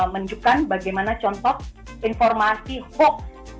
menunjukkan bagaimana contoh informasi hoax